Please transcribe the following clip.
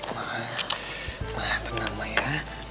ma ma tenang ma ya